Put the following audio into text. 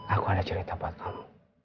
aku ada cerita buat kamu